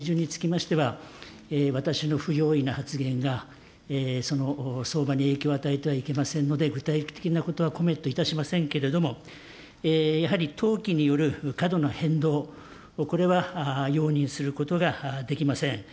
為替相場の具体的な水準につきましては、私の不用意な発言がその相場に影響を与えてはいけませんので、具体的なことはコメントいたしませんけれども、やはり投機による過度な変動、これは容認することができません。